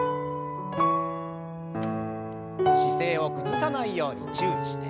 姿勢を崩さないように注意して。